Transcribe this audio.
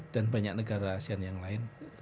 dan banyak negara asean yang lain